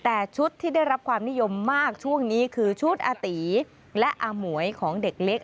แต่ชุดที่ได้รับความนิยมมากช่วงนี้คือชุดอาตีและอาหมวยของเด็กเล็ก